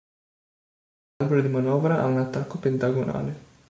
L'albero di manovra ha un attacco pentagonale.